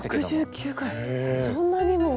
そんなにも！